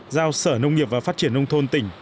giao sở nông nghiệp và phát triển nông thôn tỉnh